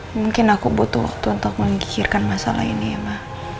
mungkin aku butuh waktu untuk memikirkan masalah ini ya mbak